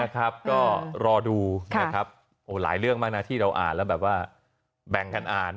ก็รอดูนะครับหลายเรื่องมากนะที่เราอ่านแล้วแบบว่าแบ่งกันอ่าน